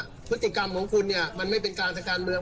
พฤติกรรมของคุณเนี่ยมันไม่เป็นการทางการเมือง